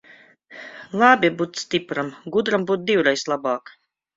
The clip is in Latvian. Labi būt stipram, gudram būt divreiz labāk.